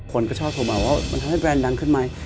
คนก็ชอบโทรมาว่ามันทำให้แบรนด์ดังขึ้นไหม